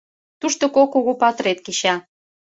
Тушто кок кугу патрет кеча.